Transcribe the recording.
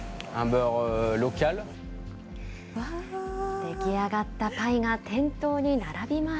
出来上がったパイが店頭に並びます。